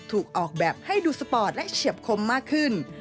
ถูกออกแบบให้ดูสปอร์ตและเฉียบคมมากขึ้น